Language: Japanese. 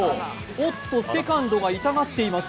おっと、セカンドが痛がっています